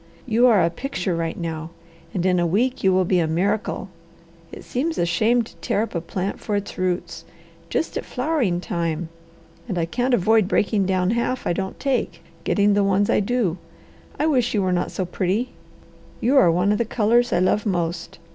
"You are a picture right now, and in a week you will be a miracle. It seems a shame to tear up a plant for its roots, just at flowering time, and I can't avoid breaking down half I don't take, getting the ones I do. I wish you were not so pretty! You are one of the colours I love most.